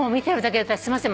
すいません。